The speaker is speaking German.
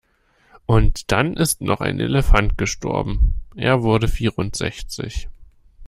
Und dann ist noch ein Elefant gestorben, er wurde vierundsechzig.